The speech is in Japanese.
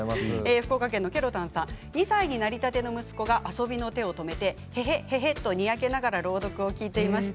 福岡県の方は２歳になりたての息子が遊びの手を止めててへてへとにやけながら朗読を聞いていました。